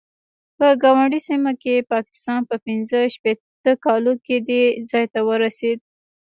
په ګاونډۍ سیمه کې پاکستان په پنځه شپېته کالو کې دې ځای ته ورسېد.